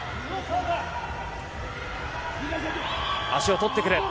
足を取ってくる。